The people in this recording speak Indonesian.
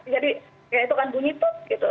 jadi kayak itu kan bunyi tuh gitu